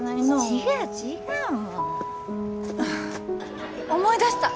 違う違うもう思い出した！